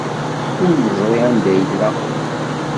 Ur neẓri anda ay yella.